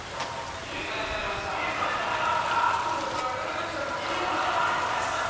入れ替えられちゃいました！？